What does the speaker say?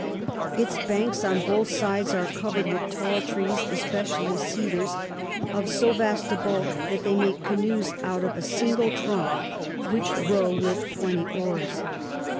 Its Banks on both sides are cover'd with tall Trees, especially Cedars, of so vast a Bulk that they make Canoes out of a single Trunk, which row with twenty Oars.